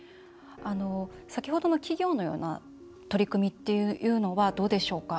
先ほどの企業のような取り組みというのはどうでしょうか？